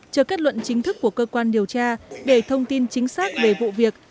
chờ kết luận chính thức của cơ quan điều tra để thông tin chính xác về vụ việc